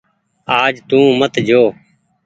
آج تو مت جو۔